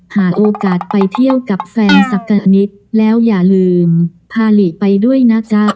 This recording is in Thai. หาโอกาสไปเที่ยวกับแฟนสักกะนิดแล้วอย่าลืมพาหลีไปด้วยนะจ๊ะ